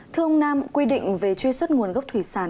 thưa ông nam quy định về truy xuất nguồn gốc thủy sản